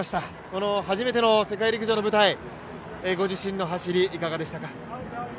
この初めての世界陸上の舞台ご自身の走り、いかがでしたか。